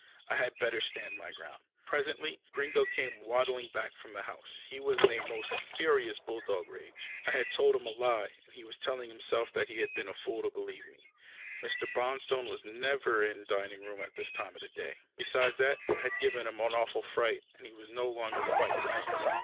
I had better stand my ground. Presently Gringo came waddling back from the house. He was in a most furious bulldog rage. I had told him a lie, and he was telling himself that he had been a fool to believe me. Mr. Bonstone was never in the dining room at this time of day. Beside that, I had given him an awful fright, and he was no longer quite young.